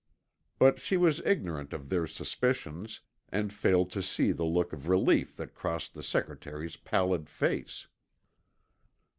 But she was ignorant of their suspicions and failed to see the look of relief that crossed the secretary's pallid face.